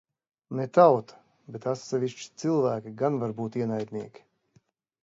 Ne tauta, bet atsevišķi cilvēki gan var būt ienaidnieki.